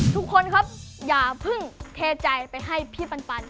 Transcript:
ทุกคนครับอย่าเพิ่งเทใจไปให้พี่ปัน